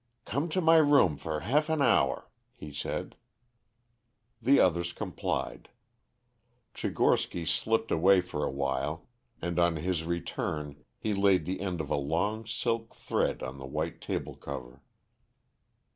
"Come to my room for half an hour," he said. The others complied. Tchigorsky slipped away for a while, and on his return he laid the end of a long silk thread on the white table cover.